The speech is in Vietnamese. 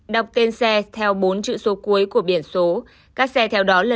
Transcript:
đọc tên xe theo bốn chữ số cuối của biển số